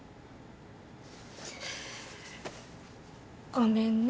ごめんね。